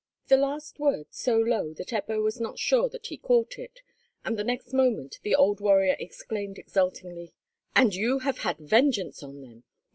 the last word so low that Ebbo was not sure that he caught it, and the next moment the old warrior exclaimed exultingly, "And you have had vengeance on them!